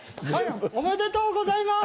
おめでとうございます！